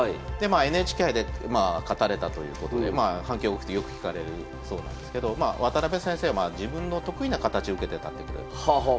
ＮＨＫ杯で勝たれたということで反響大きくてよく聞かれるそうなんですけど渡辺先生はまあ自分の得意な形を受けてたってことで。